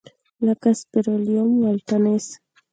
لکه سپیریلوم ولټانس.